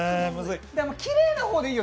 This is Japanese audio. きれいな方でいいよ